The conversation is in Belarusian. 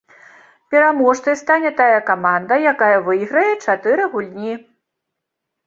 Пераможцай стане тая каманда, якая выйграе чатыры гульні.